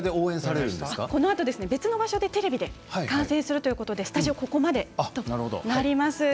このあと別の場所で観戦するということでスタジオここまでになります。